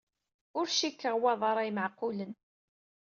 Ur cikkeɣ wa d ṛṛay meɛqulen.